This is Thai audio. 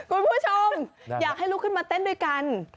คุณผู้ชมอยากให้ลุกขึ้นมาเต้นด้วยกัน